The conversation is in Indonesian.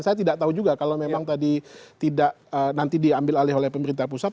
saya tidak tahu juga kalau memang tadi tidak nanti diambil alih oleh pemerintah pusat